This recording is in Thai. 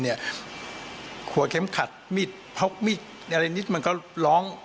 หัวเข็มขัดมีดพกมีดอะไรนิดมันก็ร้อง